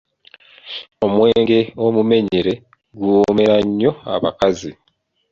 Omwenge omumenyere guwoomera nnyo abakazi.